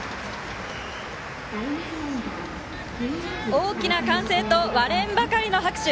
大きな歓声と割れんばかりの拍手。